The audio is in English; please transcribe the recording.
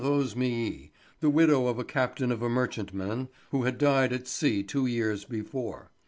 Rosémilly, the widow of a captain of a merchantman who had died at sea two years before.